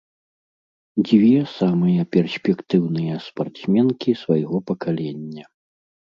Дзве самыя перспектыўныя спартсменкі свайго пакалення.